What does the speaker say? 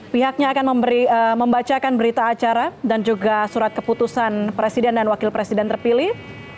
pihaknya akan membacakan berita acara dan juga surat keputusan presiden dan wakil presiden terpilih